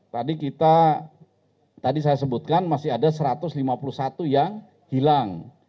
tadi kita tadi saya sebutkan masih ada satu ratus lima puluh satu yang hilang